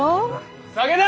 酒だ！